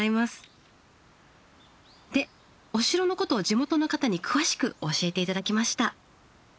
でお城のことを地元の方に詳しく教えて頂きました。